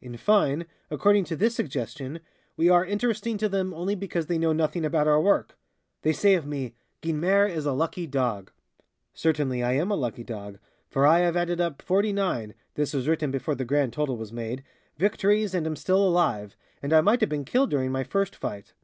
In fine, according to this suggestion, we are interesting to them only because they know nothing about our work. They say of me: "Guynemer is a lucky dog." Certainly, I am a lucky dog, for I have added up forty nine (this was written before the grand total was made) victories and am still alive, and I might have been killed during my first fight.